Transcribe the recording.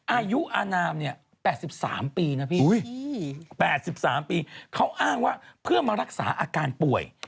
อายุอนามเนี่ย๘๓ปีนะพี่๘๓ปีเขาอ้างว่าเพื่อมารักษาอาการป่วย